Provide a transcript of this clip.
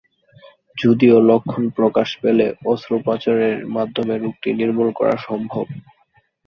যদিও লক্ষণ প্রকাশ পেলে অস্ত্রোপচারের মাধ্যমে রোগটি নির্মূল করা সম্ভব।